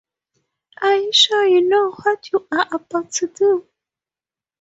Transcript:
Are you sure you know what you're about to do?